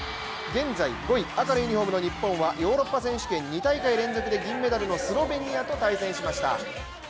現在５位赤のユニフォームの日本はヨーロッパ選手権２大会連続で銀メダルのスロベニアと対戦しました。